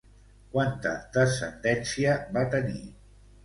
Quanta descendència va tenir?